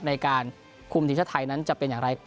ในการคุมรีชฤทัยจะเป็นอย่างไร